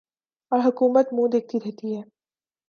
اور حکومت منہ دیکھتی رہتی ہے